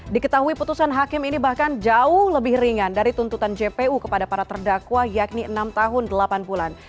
diketahui putusan hakim ini bahkan jauh lebih ringan dari tuntutan jpu kepada para terdakwa yakni enam tahun delapan bulan